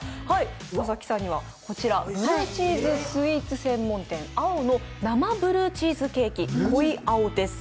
佐々木さんにはブルーチーズスイーツ専門店Ａｏの生ブルーチーズケーキＫｏｉＡｏです。